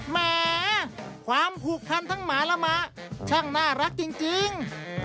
แหมความผูกพันทั้งหมาและหมาช่างน่ารักจริง